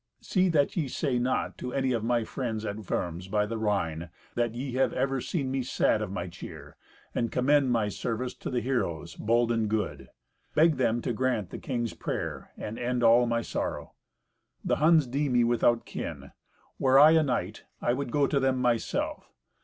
See that ye say not to any of my friends at Worms, by the Rhine, that ye have ever seen me sad of my cheer, and commend my service to the heroes bold and good. Beg them to grant the king's prayer and end all my sorrow. The Huns deem me without kin. Were I a knight, I would go to them myself.